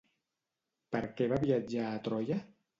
Per què va viatjar a Troia?